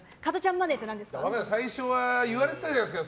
マネーって最初は言われてたじゃないですか。